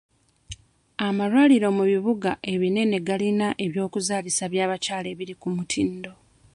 Amalwaliro mu bibuga ebinene galina eby'okuzaalisa by'abakyala ebiri ku mutindo.